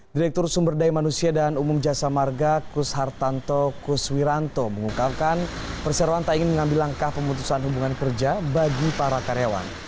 direktur sumber daya manusia dan umum jasa marga kus hartanto kuswiranto mengungkapkan perseroan tak ingin mengambil langkah pemutusan hubungan kerja bagi para karyawan